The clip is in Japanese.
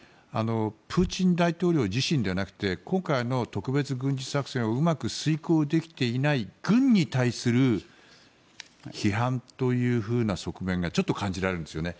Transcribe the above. プーチン大統領自身じゃなくて今回の特別軍事作戦をうまく遂行できていない軍に対する批判というふうな側面がちょっと感じられるんですよね。